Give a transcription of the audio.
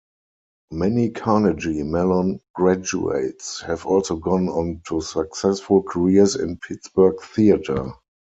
Many Carnegie Mellon graduates have also gone on to successful careers in Pittsburgh theatre.